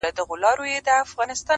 • سي به څرنګه په کار د غلیمانو -